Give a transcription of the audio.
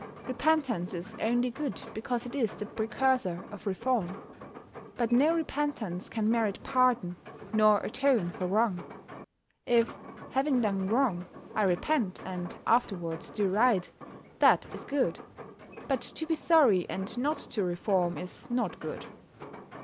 Repentance is only good because it is the precursor of reform. But no repentance can merit pardon, nor atone for wrong. If, having done wrong, I repent, and afterwards do right, that is good. But to be sorry and not to reform is not good.